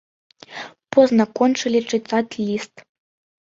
Позна кончылі чытаць ліст.